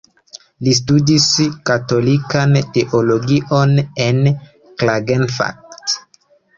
Li studis katolikan Teologion en Klagenfurt.